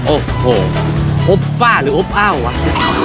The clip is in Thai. โอ้โหโอปป้าหรือโอปอ้าวเหรอวะ